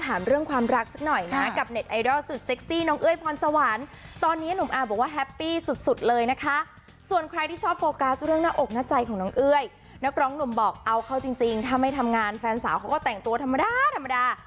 แฟนสาวเขาก็แต่งตัวธรรมดาธรรมดา